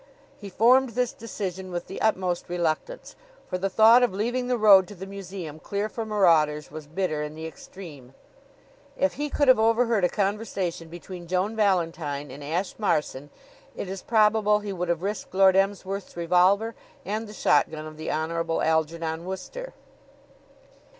He formed this decision with the utmost reluctance, for the thought of leaving the road to the museum clear for marauders was bitter in the extreme. If he could have overheard a conversation between Joan Valentine and Ashe Marson it is probable he would have risked Lord Emsworth's revolver and the shotgun of the Honorable Algernon Wooster.